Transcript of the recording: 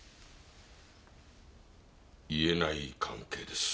言えない関係です。